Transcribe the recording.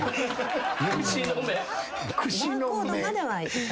バーコードまではいかないです。